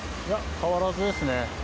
変わらずですね。